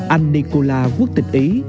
anh nicola quốc tịch ý